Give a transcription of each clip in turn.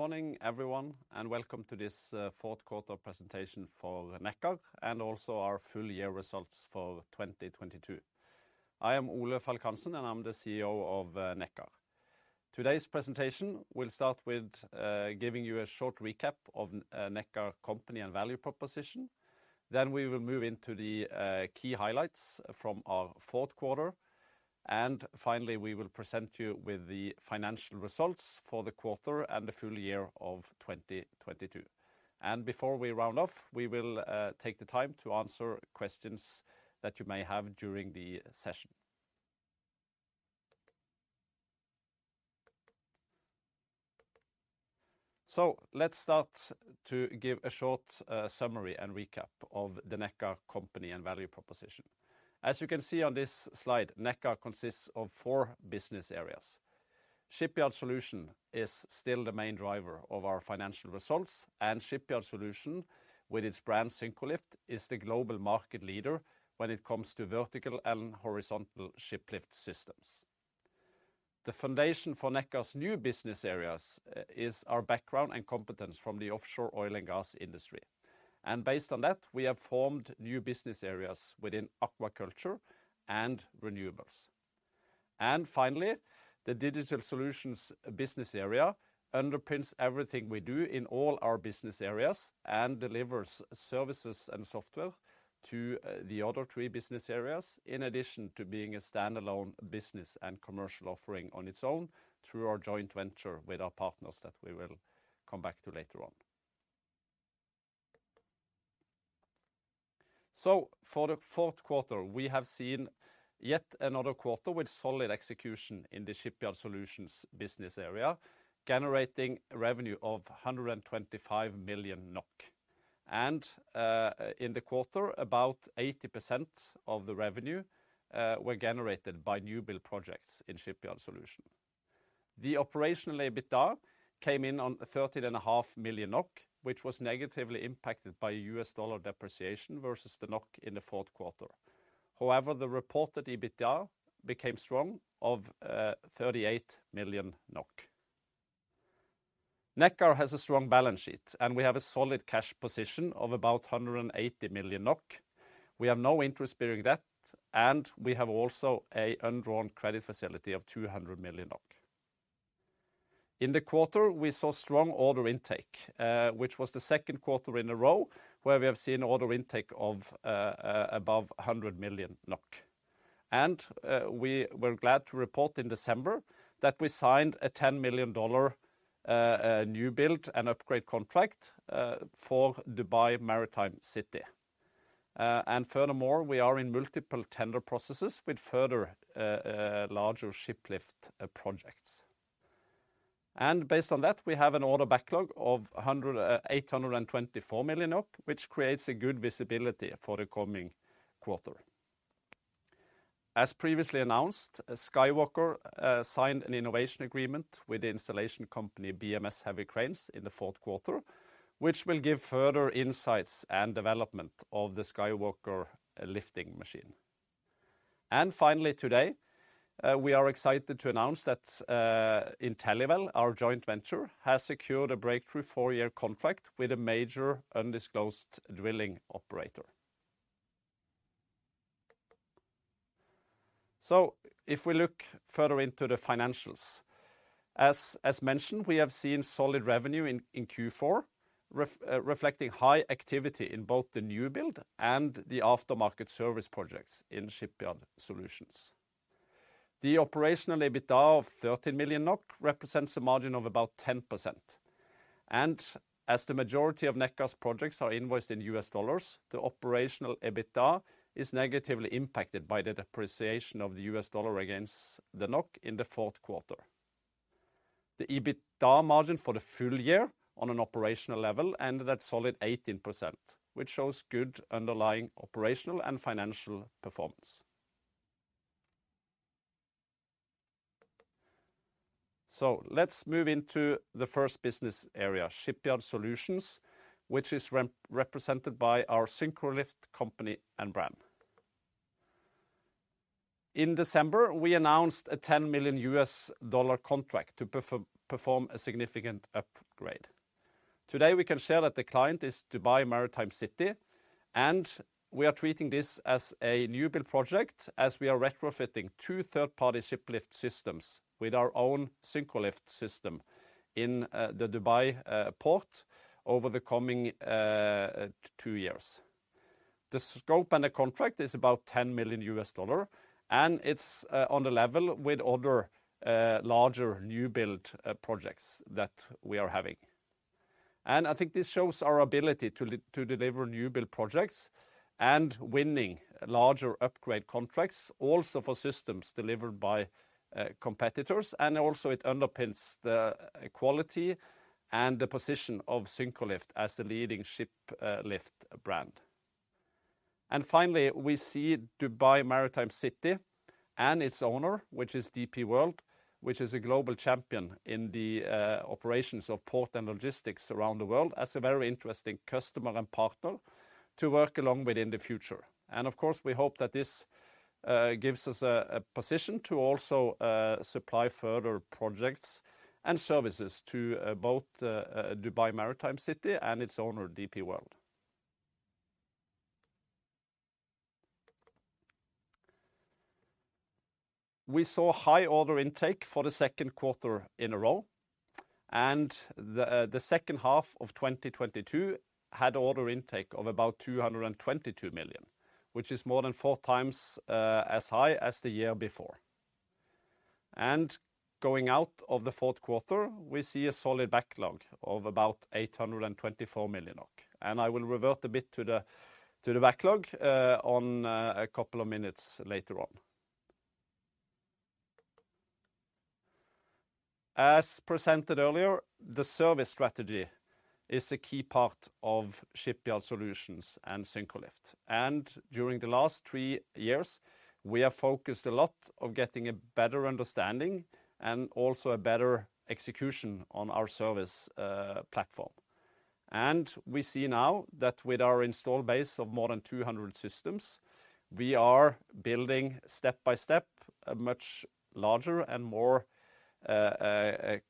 Morning, everyone, and Welcome to This Fourth Quarter Presentation for Nekkar and also our Full Year Results for 2022. I am Ole Falk Hansen, and I'm the CEO of Nekkar. Today's presentation will start with giving you a short recap of Nekkar company and value proposition. Then we will move into the key highlights from our fourth quarter, and finally, we will present you with the financial results for the quarter and the full year of 2022. And before we round off, we will take the time to answer questions that you may have during the session. So let's start to give a short summary and recap of the Nekkar company and value proposition. As you can see on this slide, Nekkar consists of four business areas. Shipyard Solutions is still the main driver of our financial results, and Shipyard Solutions with its brand, Syncrolift, is the global market leader when it comes to vertical and horizontal ship lift systems. The foundation for Nekkar's new business areas is our background and competence from the offshore oil and gas industry, and based on that, we have formed new business areas within aquaculture and renewables. Finally, the digital solutions business area underpins everything we do in all our business areas and delivers services and software to the other three business areas, in addition to being a standalone business and commercial offering on its own through our Joint Venture with our partners that we will come back to later on. For the fourth quarter, we have seen yet another quarter with solid execution in the Shipyard Solutions business area, generating revenue of 125 million NOK. In the quarter, about 80% of the revenue were generated by new build projects in Shipyard Solutions. The Operational EBITDA came in on 13.5 million NOK which was negatively impacted by U.S dollar depreciation versus the NOK in the fourth quarter. However, the Reported EBITDA became strong of 38 million NOK. Nekkar has a strong balance sheet, and we have a solid cash position of about 180 million NOK. We have no interest bearing debt, and we have also a undrawn credit facility of NOK 200 million. In the quarter, we saw strong Order Intake, which was the second quarter in a row where we have seen Order Intake of above 100 million NOK. We were glad to report in December that we signed a $10 million new build and upgrade contract for Dubai Maritime City. Furthermore, we are in multiple tender processes with further larger ship lift projects. Based on that, we have an Order Backlog of 824 million, which creates a good visibility for the coming quarter. As previously announced, SkyWalker signed an innovation agreement with the installation company BMS Heavy Cranes in the fourth quarter, which will give further insights and development of the SkyWalker lifting machine. Finally, today, we are excited to announce that InteliWell, our Joint Venture, has secured a breakthrough four-year contract with a major undisclosed drilling operator. If we look further into the financials, as mentioned, we have seen solid revenue in Q4, reflecting high activity in both the new build and the aftermarket service projects in Shipyard Solutions. The Operational EBITDA of 30 million NOK represents a margin of about 10%. As the majority of Nekkar's projects are invoiced in US dollars, the Operational EBITDA is negatively impacted by the depreciation of the U.S dollar against the NOK in the fourth quarter. The EBITDA margin for the full year on an operational level ended at solid 18%, which shows good underlying operational and financial performance. Let's move into the first business area, Shipyard Solutions, which is represented by our Syncrolift company and brand. In December, we announced a $10 million contract to perform a significant upgrade. Today, we can share that the client is Dubai Maritime City. and we are treating this as a new build project as we are retrofitting two third-party ship lift systems with our own Syncrolift system in the Dubai port over the coming two years. The scope and the contract is about $10 million, and it's on the level with other larger new build projects that we are having. I think this shows our ability to deliver new build projects and winning larger upgrade contracts also for systems delivered by competitors. Also it underpins the quality and the position of Syncrolift as the leading ship lift brand. Finally, we see Dubai Maritime City and its owner, which is DP World, which is a global champion in the operations of port and logistics around the world as a very interesting customer and partner to work along with in the future. Of course, we hope that this gives us a position to also supply further projects and services to both Dubai Maritime City and its owner, DP World. We saw high Order Intake for the second quarter in a row, and the second half of 2022 had Order Intake of about 222 million, which is more than four times as high as the year before. Going out of the fourth quarter, we see a solid backlog of about 824 million. I will revert a bit to the backlog on a couple of minutes later on. As presented earlier, the service strategy is a key part of Shipyard Solutions and Syncrolift. During the last three years, we have focused a lot of getting a better understanding and also a better execution on our service platform. We see now that with our install base of more than 200 systems, we are building step by step a much larger and more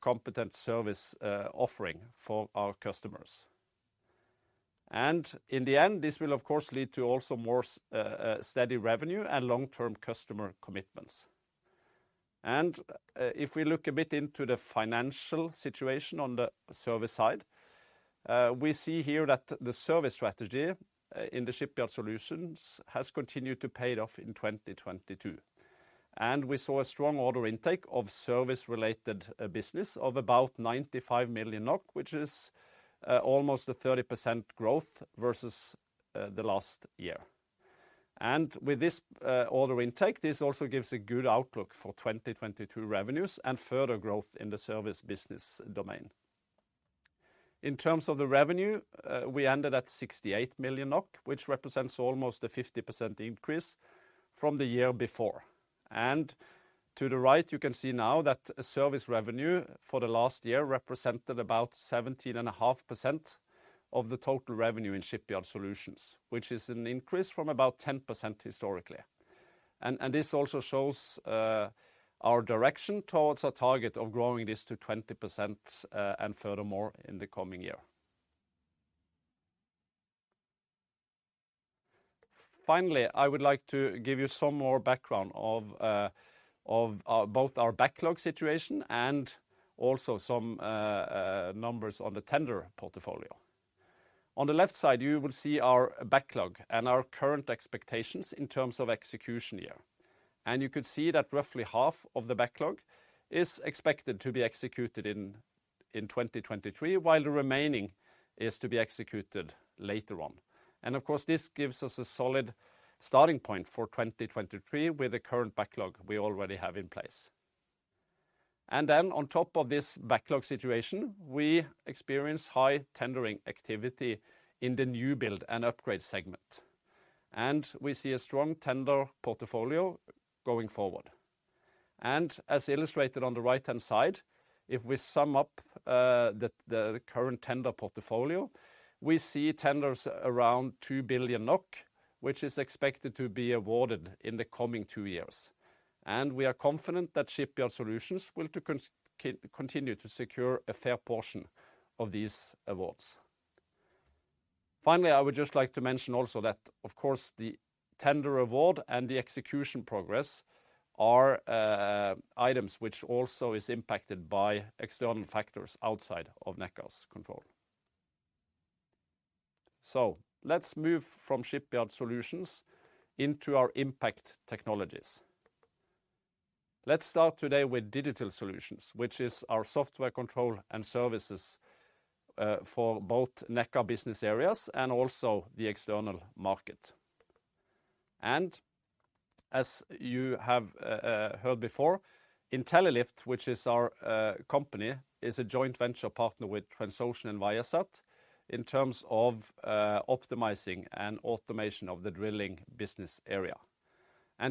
competent service offering for our customers. In the end, this will of course lead to also more steady revenue and long-term customer commitments. If we look a bit into the financial situation on the service side, we see here that the service strategy in the Shipyard Solutions has continued to pay off in 2022. We saw a strong Order Intake of service-related business of about 95 million NOK, which is almost a 30% growth versus the last year. With this Order Intake, this also gives a good outlook for 2022 revenues and further growth in the service business domain. In terms of the revenue, we ended at 68 million NOK, which represents almost a 50% increase from the year before. To the right, you can see now that service revenue for the last year represented about 17.5% of the total revenue in Shipyard Solutions, which is an increase from about 10% historically. This also shows our direction towards a target of growing this to 20% and furthermore in the coming year. I would like to give you some more background of both our backlog situation and also some numbers on the tender portfolio. On the left side, you will see our backlog and our current expectations in terms of execution year. You can see that roughly half of the backlog is expected to be executed in 2023, while the remaining is to be executed later on. Of course, this gives us a solid starting point for 2023 with the current backlog we already have in place. Then on top of this backlog situation, we experience high tendering activity in the new build and upgrade segment. We see a strong tender portfolio going forward. As illustrated on the right-hand side, if we sum up the current tender portfolio, we see tenders around 2 billion NOK, which is expected to be awarded in the coming two years. We are confident that Shipyard Solutions will continue to secure a fair portion of these awards. Finally, I would just like to mention also that, of course, the tender award and the execution progress are items which also is impacted by external factors outside of Nekkar's control. Let's move from Shipyard Solutions into our impact technologies. Let's start today with digital solutions, which is our software control and services for both Nekka business areas and also the external market. As you have heard before, Intellilift, which is our company, is a Joint Venture partner with Transocean and Viasat in terms of optimizing and automation of the drilling business area.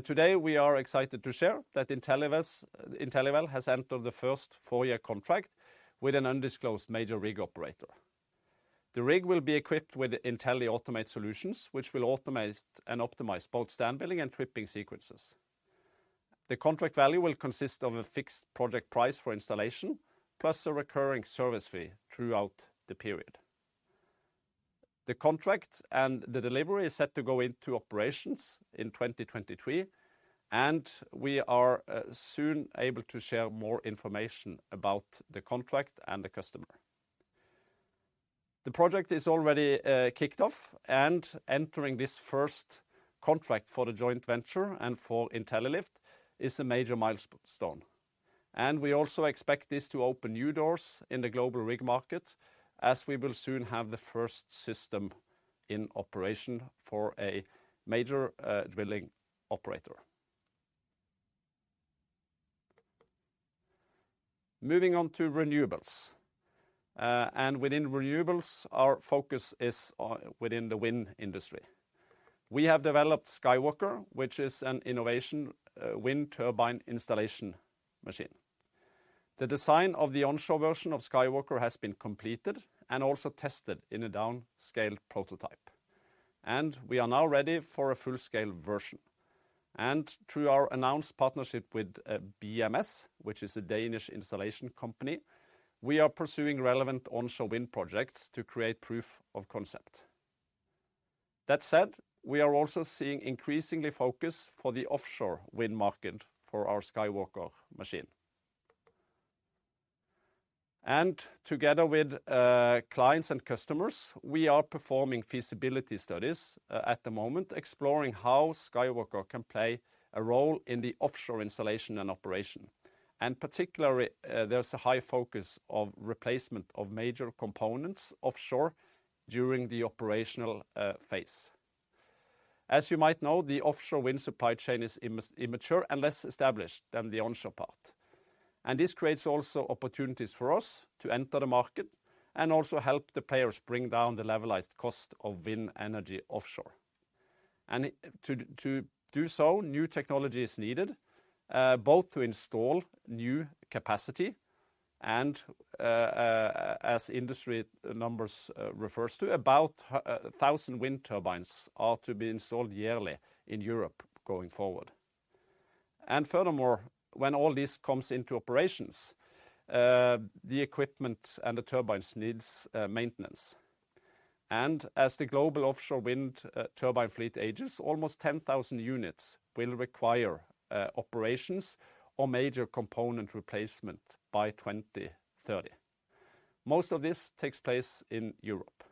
Today, we are excited to share that InteliWell has entered the first four year contract with an undisclosed major rig operator. The rig will be equipped with InteliAutomate solutions, which will automate and optimize both stand building and tripping sequences. The contract value will consist of a fixed project price for installation, plus a recurring service fee throughout the period. The contract and the delivery is set to go into operations in 2023. We are soon able to share more information about the contract and the customer. The project is already kicked off, and entering this first contract for the Joint Venture and for Intellilift is a major milestone. We also expect this to open new doors in the global rig market as we will soon have the first system in operation for a major drilling operator. Moving on to renewables. Within renewables, our focus is on within the wind industry. We have developed SkyWalker, which is an innovation wind turbine installation machine. The design of the onshore version of SkyWalker has been completed and also tested in a downscaled prototype. We are now ready for a full-scale version. Through our announced partnership with BMS, which is a Danish installation company, we are pursuing relevant onshore wind projects to create proof of concept. That said, we are also seeing increasingly focus for the offshore wind market for our SkyWalker machine. Together with clients and customers, we are performing feasibility studies at the moment exploring how SkyWalker can play a role in the offshore installation and operation. Particularly, there's a high focus of replacement of major components offshore during the operational phase. As you might know, the offshore wind supply chain is immature and less established than the onshore part. This creates also opportunities for us to enter the market and also help the players bring down the Levelized Cost of wind energy offshore. To do so, new technology is needed, both to install new capacity and as industry numbers refers to about 1,000 wind turbines are to be installed yearly in Europe going forward. Furthermore, when all this comes into operations, the equipment and the turbines needs maintenance. As the global offshore wind turbine fleet ages, almost 10,000 units will require operations or major component replacement by 2030. Most of this takes place in Europe.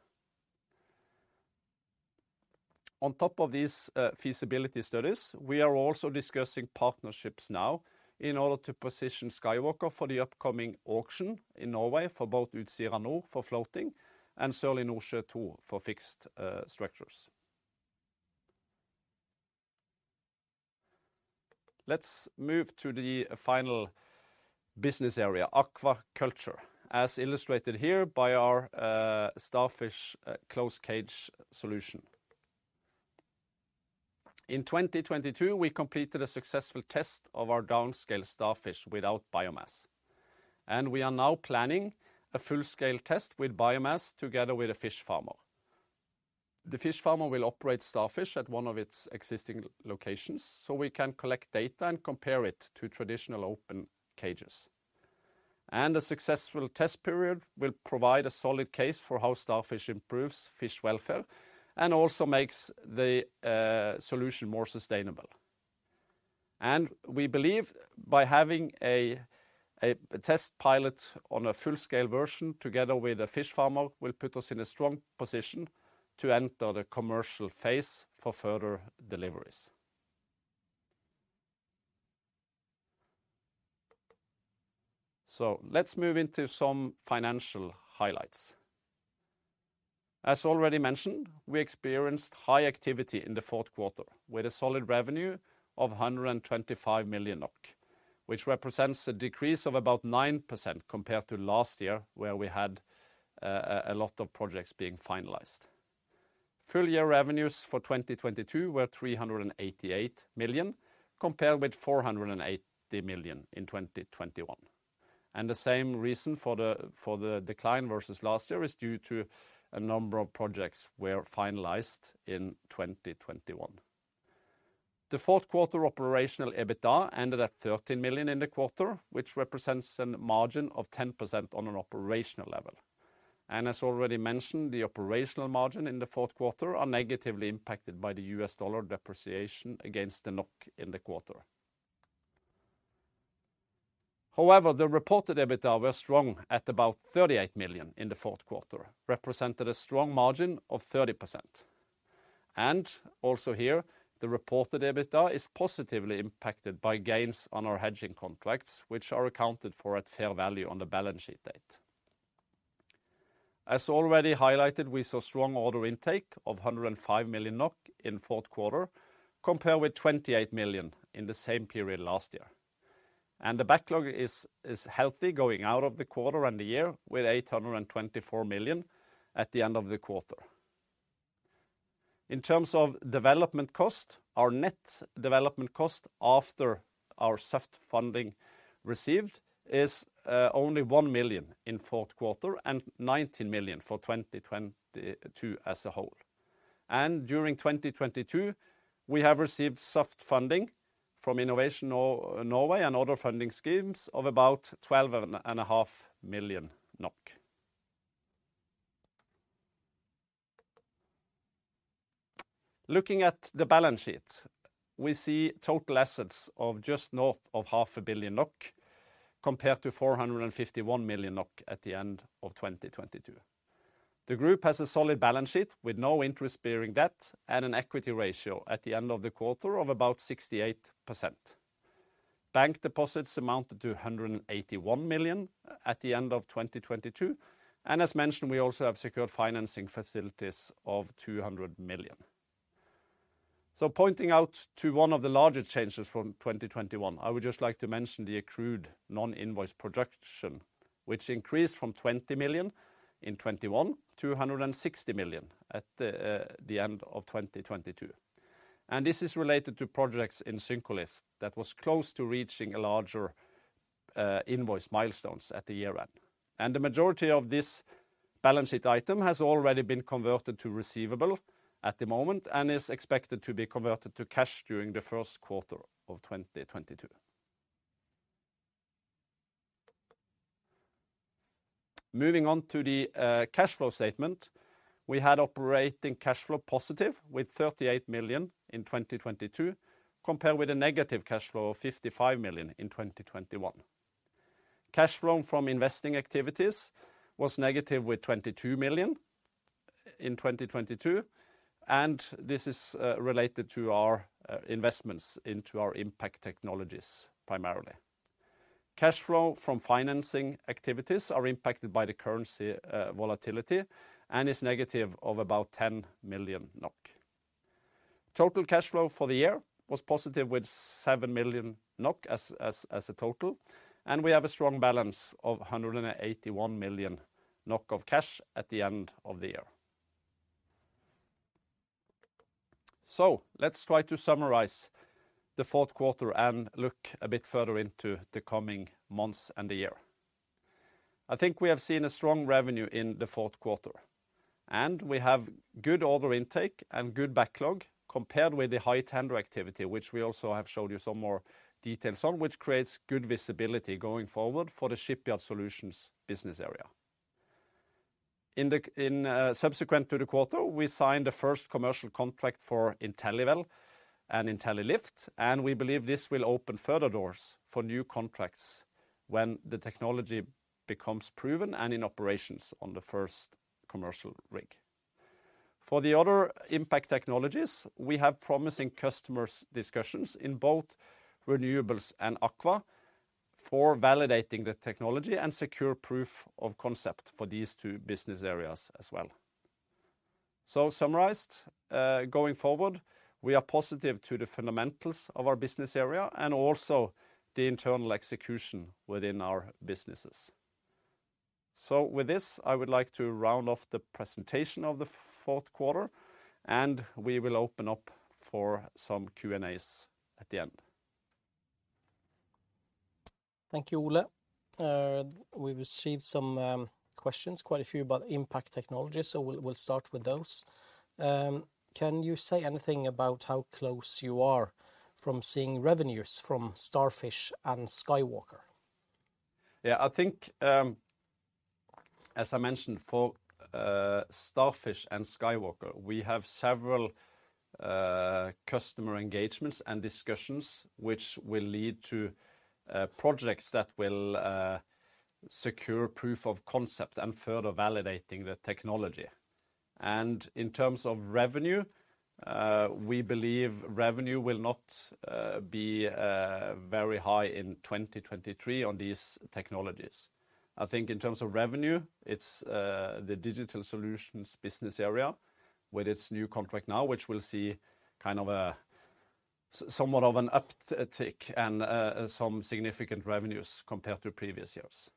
On top of these feasibility studies, we are also discussing partnerships now in order to position SkyWalker for the upcoming auction in Norway for both Utsira Nord for floating and Sørlige Nordsjø II for fixed structures. Let's move to the final business area, aquaculture, as illustrated here by our Starfish Closed Cage solution. In 2022, we completed a successful test of our downscale Starfish without biomass, and we are now planning a full-scale test with biomass together with a fish farmer. The fish farmer will operate Starfish at one of its existing locations, so we can collect data and compare it to traditional open cages. A successful test period will provide a solid case for how Starfish improves fish welfare and also makes the solution more sustainable. We believe by having a test pilot on a full-scale version together with a fish farmer will put us in a strong position to enter the commercial phase for further deliveries. Let's move into some financial highlights. As already mentioned, we experienced high activity in the fourth quarter with a solid revenue of 125 million NOK, which represents a decrease of about 9% compared to last year, where we had a lot of projects being finalized. Full year revenues for 2022 were 388 million, compared with 480 million in 2021. The same reason for the decline versus last year is due to a number of projects were finalized in 2021. The fourth quarter Operational EBITDA ended at 13 million in the quarter, which represents a margin of 10% on an operational level. As already mentioned, the operational margin in the fourth quarter are negatively impacted by the U.S dollar depreciation against the NOK in the quarter. However, the Reported EBITDA were strong at about 38 million in the fourth quarter, represented a strong margin of 30%. Also here the Reported EBITDA is positively impacted by gains on our hedging contracts, which are accounted for at fair value on the balance sheet date. As already highlighted, we saw strong Order Intake of 105 million NOK in fourth quarter, compared with 28 million in the same period last year. The backlog is healthy going out of the quarter and the year with 824 million at the end of the quarter. In terms of development cost, our net development cost after our soft funding received is only 1 million in fourth quarter and 19 million for 2022 as a whole. During 2022, we have received soft funding from Innovation Norway and other funding schemes of about 12.5 million NOK. Looking at the balance sheet, we see total assets of just north of 500 million NOK compared to 451 million NOK at the end of 2022. The group has a solid balance sheet with no interest-bearing debt and an equity ratio at the end of the quarter of about 68%. Bank deposits amounted to 181 million at the end of 2022. As mentioned, we also have secured financing facilities of 200 million. Pointing out to one of the larger changes from 2021, I would just like to mention the accrued non-invoiced projection, which increased from 20 million in 2021 to 160 million at the end of 2022. This is related to projects in Syncrolift that was close to reaching a larger invoice milestones at the year end. The majority of this balance sheet item has already been converted to receivable at the moment and is expected to be converted to cash during the first quarter of 2022. Moving on to the cash flow statement, we had operating cash flow positive with 38 million in 2022 compared with a negative cash flow of 55 million in 2021. Cash flow from investing activities was negative with 22 million in 2022, and this is related to our investments into our impact technologies, primarily. Cash flow from financing activities are impacted by the currency volatility and is negative of about 10 million NOK. Total cash flow for the year was positive with 7 million NOK as a total, and we have a strong balance of 181 million NOK of cash at the end of the year. Let's try to summarize the fourth quarter and look a bit further into the coming months and the year. I think we have seen a strong revenue in the fourth quarter. We have good Order Intake and good backlog compared with the high tender activity, which we also have showed you some more details on, which creates good visibility going forward for the Shipyard Solutions business area. In subsequent to the quarter, we signed the first commercial contract for InteliWell and Intellilift. We believe this will open further doors for new contracts when the technology becomes proven and in operations on the first commercial rig. For the other impact technologies, we have promising customers discussions in both renewables and aqua for validating the technology and secure proof of concept for these two business areas as well. Summarized, going forward, we are positive to the fundamentals of our business area and also the internal execution within our businesses. With this, I would like to round off the presentation of the fourth quarter, and we will open up for some Q&As at the end. Thank you, Ole. We received some questions, quite a few about impact technology, so we'll start with those. Can you say anything about how close you are from seeing revenues from Starfish and SkyWalker? Yeah. I think, as I mentioned for Starfish and SkyWalker, we have several customer engagements and discussions which will lead to projects that will secure proof of concept and further validating the technology. In terms of revenue, we believe revenue will not be very high in 2023 on these technologies. I think in terms of revenue, it's the digital solutions business area with its new contract now, which we'll see kind of somewhat of an uptick and some significant revenues compared to previous years.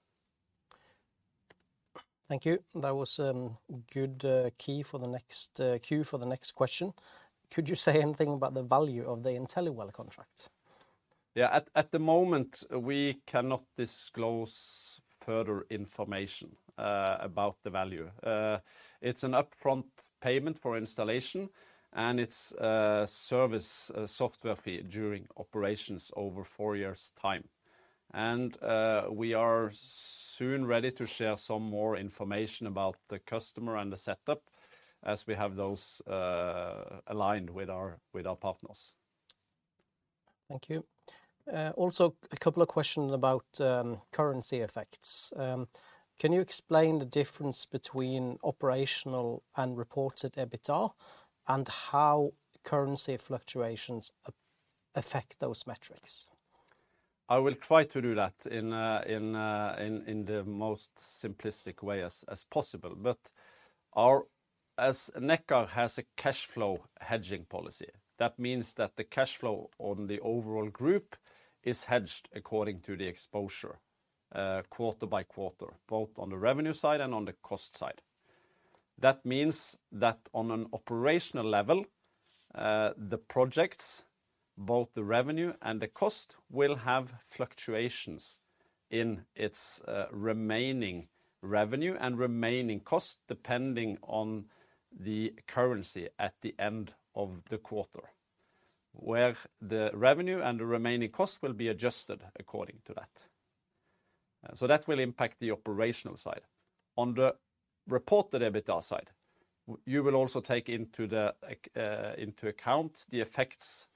Thank you. That was good, cue for the next question. Could you say anything about the value of the InteliWell contract? Yeah. At the moment, we cannot disclose further information about the value. It's an upfront payment for installation, and it's service software fee during operations over four years' time. We are soon ready to share some more information about the customer and the setup as we have those aligned with our partners. Thank you. A couple of questions about currency effects. Can you explain the difference between Operational and Reported EBITDA and how currency fluctuations affect those metrics? I will try to do that in the most simplistic way as possible. As Nekka has a cash flow hedging policy, that means that the cash flow on the overall group is hedged according to the exposure, quarter by quarter, both on the revenue side and on the cost side. That means that on an operational level, the projects, both the revenue and the cost, will have fluctuations in its remaining revenue and remaining cost, depending on the currency at the end of the quarter, where the revenue and the remaining cost will be adjusted according to that. So that will impact the operational side. On the Reported EBITDA side, you will also take into account the effects of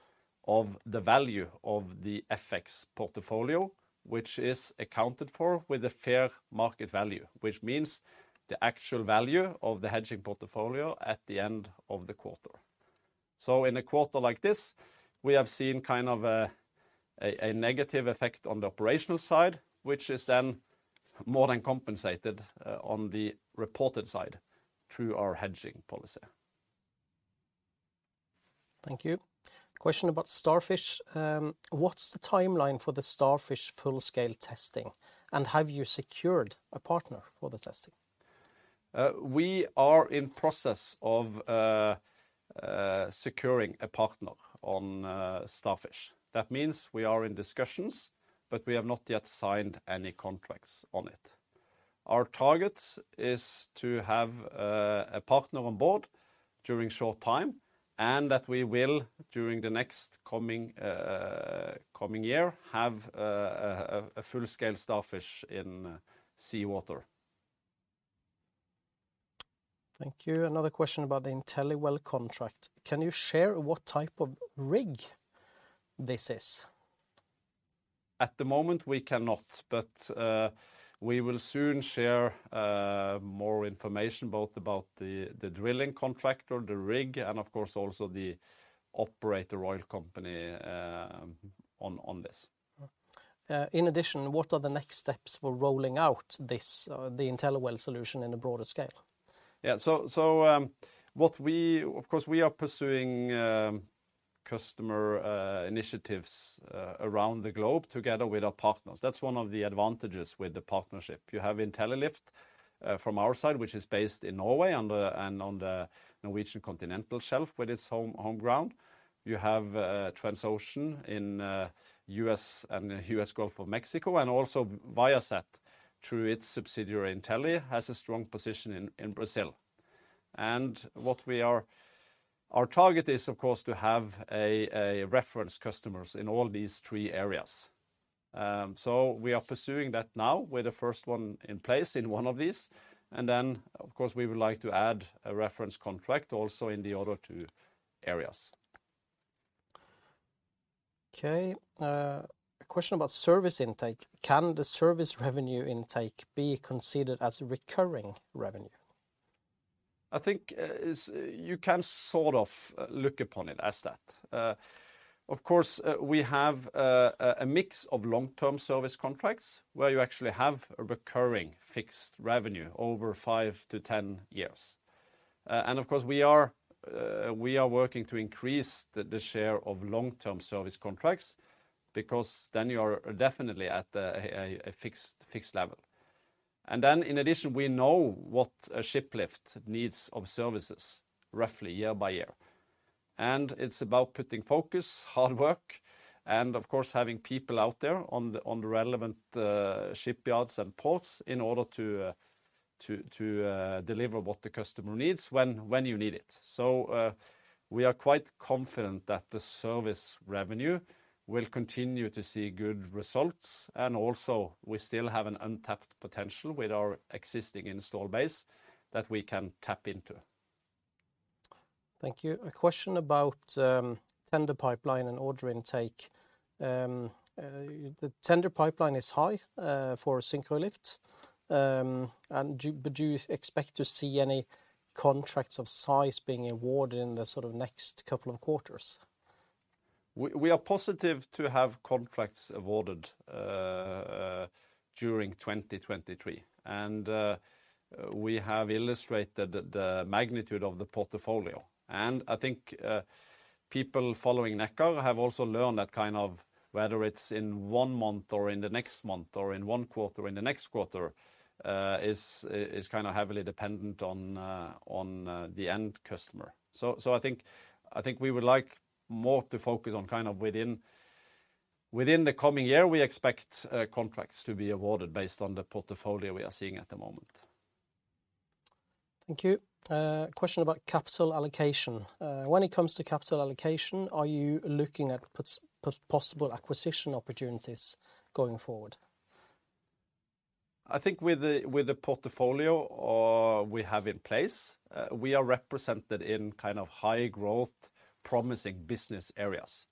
the value of the FX portfolio, which is accounted for with the fair market value, which means the actual value of the hedging portfolio at the end of the quarter. In a quarter like this, we have seen kind of a negative effect on the operational side, which is then more than compensated on the Reported side through our hedging policy. Thank you. Question about Starfish. What's the timeline for the Starfish full-scale testing, and have you secured a partner for the testing? We are in process of securing a partner on Starfish. That means we are in discussions but we have not yet signed any contracts on it. Our target is to have a partner on board during short time and that we will, during the next coming year, have a full-scale Starfish in seawater. Thank you. Another question about the InteliWell contract. Can you share what type of rig this is? At the moment we cannot, but we will soon share more information both about the drilling contractor, the rig, and of course also the operator oil company on this. In addition, what are the next steps for rolling out this, the InteliWell solution in a broader scale? Of course, we are pursuing customer initiatives around the globe together with our partners. That's one of the advantages with the partnership. You have Intellilift from our side which is based in Norway on the Norwegian continental shelf with its home ground. You have Transocean in U.S. and the U.S. Gulf of Mexico and also Viasat through its subsidiary Intelie has a strong position in Brazil. Our target is of course to have a reference customers in all these three areas. We are pursuing that now with the first one in place in one of these and then of course we would like to add a reference contract also in the other two areas. Okay. A question about service intake. Can the service revenue intake be considered as recurring revenue? I think, you can sort of look upon it as that. Of course, we have a mix of long-term service contracts where you actually have a recurring fixed revenue over five to 10 years. Of course, we are working to increase the share of long-term service contracts because then you are definitely at a fixed level. In addition, we know what a shiplift needs of services roughly year by year. It's about putting focus, hard work, and of course, having people out there on the relevant shipyards and ports in order to deliver what the customer needs when you need it. We are quite confident that the service revenue will continue to see good results and also we still have an untapped potential with our existing install base that we can tap into. Thank you. A question about tender pipeline and Order Intake. The tender pipeline is high, for a Syncrolift. Do you expect to see any contracts of size being awarded in the sort of next couple of quarters? We are positive to have contracts awarded during 2023. We have illustrated the magnitude of the portfolio and I think people following Nekkar have also learned that kind of whether it's in one month or in the next month or in one quarter or in the next quarter, is kind of heavily dependent on the end customer. I think we would like more to focus on kind of within the coming year we expect contracts to be awarded based on the portfolio we are seeing at the moment. Thank you. Question about capital allocation. When it comes to capital allocation, are you looking at possible acquisition opportunities going forward? I think with the portfolio, we have in place, we are represented in kind of high growth promising business areas.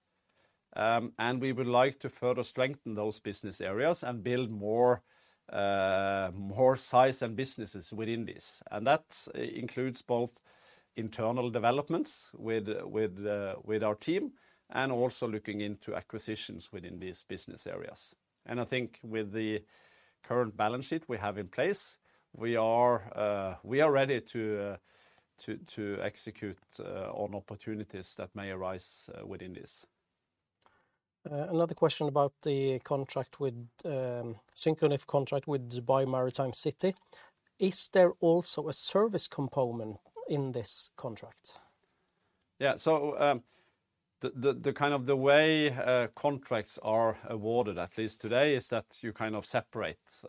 We would like to further strengthen those business areas and build more size and businesses within this. That includes both internal developments with our team and also looking into acquisitions within these business areas. I think with the current balance sheet we have in place, we are ready to execute on opportunities that may arise within this. Another question about the contract with Syncrolift contract with Dubai Maritime City. Is there also a service component in this contract? Yeah. The kind of the way contracts are awarded at least today is that you kind of separate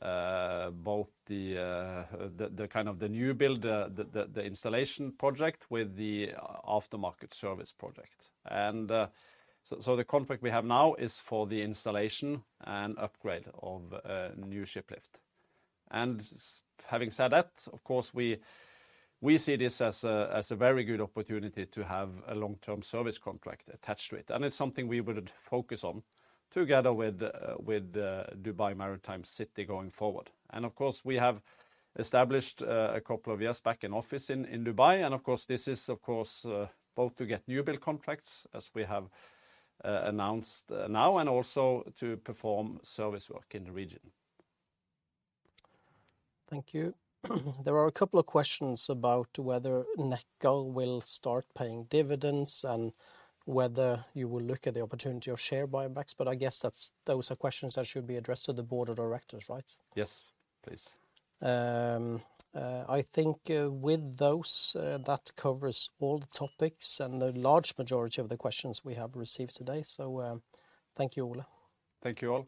both the kind of the new build, the installation project with the aftermarket service project. The contract we have now is for the installation and upgrade of a new ship lift. Having said that, of course, we see this as a very good opportunity to have a long-term service contract attached to it. It's something we would focus on together with Dubai Maritime City going forward. Of course, we have established a couple of years back an office in Dubai. Of course this is both to get new build contracts as we have announced now and also to perform service work in the region. Thank you. There are a couple of questions about whether Nekkar will start paying dividends and whether you will look at the opportunity of share buybacks, I guess that's, those are questions that should be addressed to the board of directors, right? Yes, please. I think with those that covers all the topics and the large majority of the questions we have received today. Thank you, Ole. Thank you all.